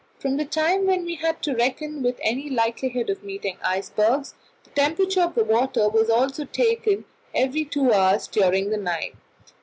From the time when we had to reckon with any likelihood of meeting icebergs, the temperature of the water was also taken every two hours during the night.